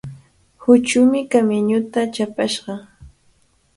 Huchumi kamiñuta chapashqa.